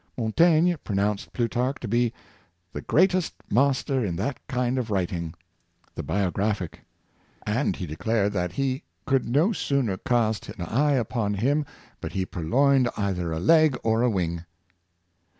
Montaigne pronounced Plutarch to be *' the greatest master in that kind of writing "— the biographic; and he declared that he " could no sooner cast an eye upon him but he purloined either a leg or a wing."